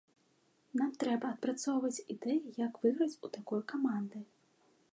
Нам трэба адпрацоўваць ідэі, як выйграць у такой каманды.